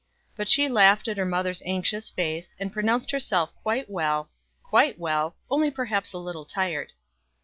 But she laughed at her mother's anxious face, and pronounced herself quite well, quite well, only perhaps a little tired.